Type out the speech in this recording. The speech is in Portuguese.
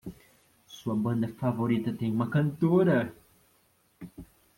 Sua banda favorita tem uma cantora.